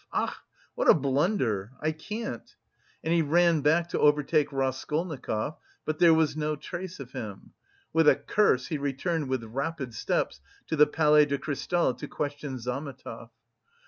Ach, what a blunder! I can't." And he ran back to overtake Raskolnikov, but there was no trace of him. With a curse he returned with rapid steps to the Palais de Cristal to question Zametov.